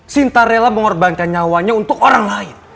sinta rela mengorbankan nyawanya untuk orang lain